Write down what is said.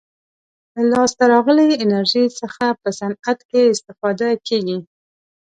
له لاسته راغلې انرژي څخه په صنعت کې استفاده کیږي.